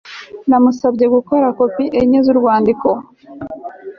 Namusabye gukora kopi enye zurwandiko